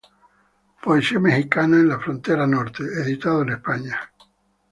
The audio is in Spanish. Poesía mexicana en la frontera norte", editado en España.